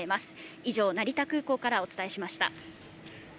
以上、成田空港からお伝えしました。